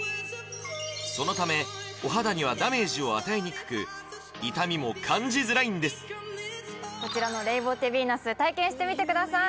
そのためお肌にはダメージを与えにくく痛みも感じづらいんですこちらのレイボーテヴィーナス体験してみてください